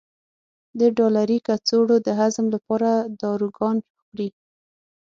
د ډالري کڅوړو د هضم لپاره داروګان خوري.